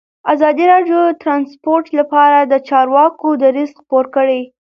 ازادي راډیو د ترانسپورټ لپاره د چارواکو دریځ خپور کړی.